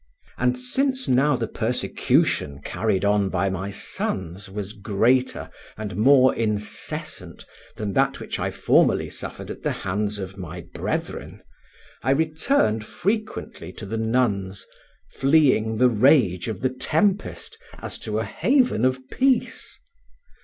And since now the persecution carried on by my sons was greater and more incessant than that which I formerly suffered at the hands of my brethren, I returned frequently to the nuns, fleeing the rage of the tempest as to a haven of peace.